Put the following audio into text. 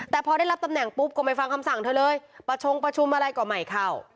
แต่พอได้รับตำแหน่งปุ๊บก็ไม่ฟังคำสั่งเธอเลยประชงประชุมอะไรก็ไม่เข้า